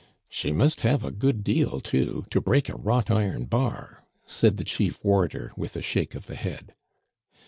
"She must have a good deal too, to break a wrought iron bar," said the chief warder, with a shake of the head.